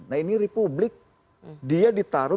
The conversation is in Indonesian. nah ini republik dia ditaruh